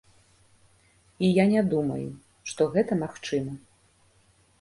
І я не думаю, што гэта магчыма.